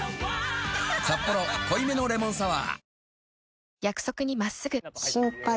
「サッポロ濃いめのレモンサワー」